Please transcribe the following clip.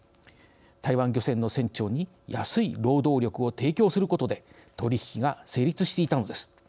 台湾の漁船の船長に安い労働力を提供することで取引が成立していたのです。